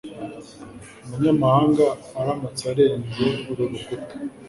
Umunyamahanga aramutse arenze uru rukuta,